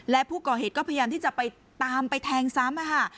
และผู้ก่อเหตุก็พยายามที่จะไปตามไปแทงซ้ำ